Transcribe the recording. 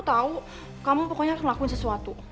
tahu kamu pokoknya harus ngelakuin sesuatu